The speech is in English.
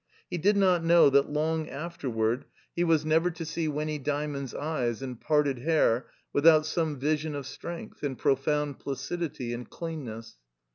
He did not know that long afterward he was never to see Winny Dymond's eyes and parted hair without some vision of strength and profound placidity and cleanness.